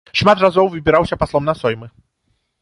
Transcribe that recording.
Шмат разоў выбіраўся паслом на соймы.